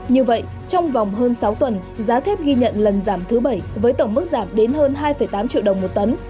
như vậy trong vòng hơn sáu tuần giá thép ghi nhận lần giảm thứ bảy với tổng mức giảm đến hơn hai tám triệu đồng một tấn